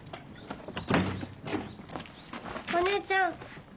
お姉ちゃん。